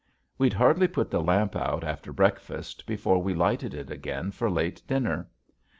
We'd hardly put the lamp out after breakfast, before we lighted it again for late dinner.